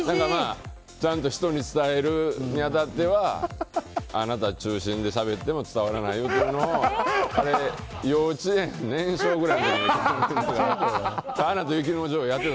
ちゃんと人に伝えるにあたってはあなた中心でしゃべっても伝わらないよというのは幼稚園、年少くらいの時に言ってて。